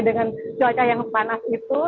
dengan cuaca yang panas itu